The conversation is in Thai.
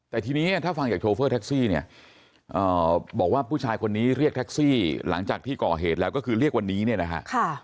แต่ทีนี้ถ้าฟังจากโชเฟอร์แท็กซี่เนี่ยบอกว่าผู้ชายคนนี้เรียกแท็กซี่หลังจากที่ก่อเหตุแล้วก็คือเรียกวันนี้เนี่ยนะฮะ